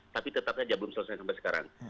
tapi tetap saja belum selesai sampai sekarang